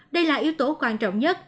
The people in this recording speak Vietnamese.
đây là yếu tố quan trọng nhất